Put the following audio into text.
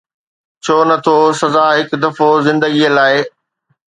ڇو نه ٿو سزا هڪ دفعو زندگيءَ لاءِ؟